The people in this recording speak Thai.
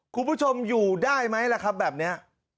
คุณผู้ชมอยู่ได้ไหมแบบนี้